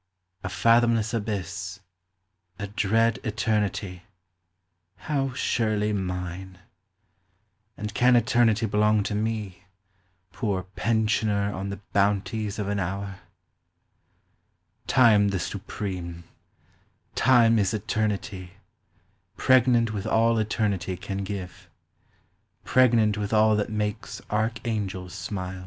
a fathomless abyss; A dread eternity ; how surely mine ! And can eternity belong to me, Poor pensioner on the bounties of an hour ?•••••• Time the supreme !— Time is eternity ; Pregnant with all eternity can give ; Pregnant with all that makes archangels smile.